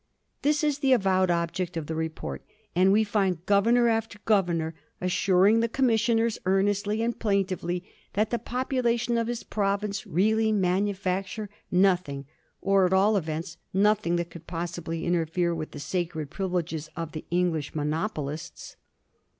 This is the avowed object of the report, and we find governor after governor assuring the Commissioners earnestly and plaintively that the population of his province really manufacture nothing, or at all events nothing that could possibly interfere with the sacred privileges of the English monopolists.